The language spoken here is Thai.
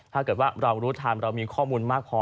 ถ้าเกิดว่าเรารู้ทันเรามีข้อมูลมากพอ